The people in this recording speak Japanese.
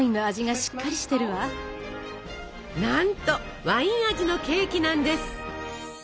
なんとワイン味のケーキなんです。